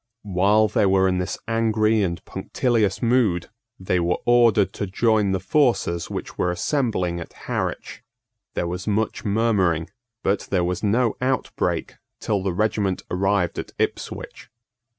While they were in this angry and punctilious mood, they were ordered to join the forces which were assembling at Harwich. There was much murmuring; but there was no outbreak till the regiment arrived at Ipswich.